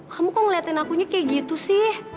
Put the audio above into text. kamu kok ngeliatin akunya kayak gitu sih